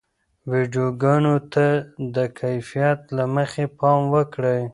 ویډیوګانو ته د کیفیت له مخې پام وکړئ.